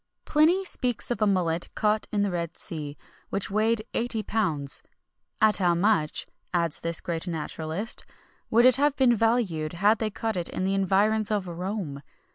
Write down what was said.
Pliny speaks of a mullet caught in the red sea, which weighed eighty pounds.[XXI 53] "At how much," adds this great naturalist, "would it have been valued had they caught it in the environs of Rome!"